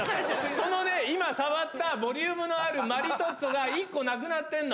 そのね、今触ったボリュームのあるマリトッツォが１個なくなってるの。